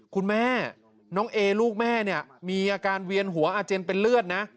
คุณแม่น้องเอลูกแม่เนี่ยมีอาการเวียนหัวอาเจนเป็นเลือดนะ